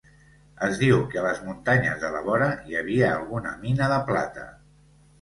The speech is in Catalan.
Es diu que a les muntanyes de la vora hi havia alguna mina de plata.